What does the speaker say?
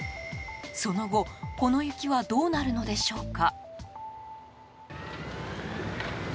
その後この雪はどうなるのでしょうか。